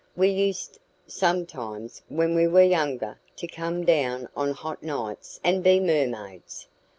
We used sometimes, when we were younger, to come down on hot nights and be mermaids.